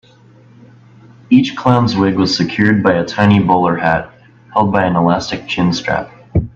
Each clown's wig was secured by a tiny bowler hat held by an elastic chin-strap.